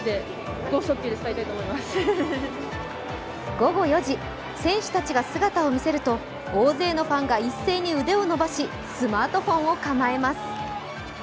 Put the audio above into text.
午後４時、選手たちが姿を見せると、大勢のファンが一斉に腕を伸ばしスマートフォンを構えます。